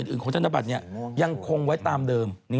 อื่นของธนบัตรนี้ยังคงไว้ตามเดิม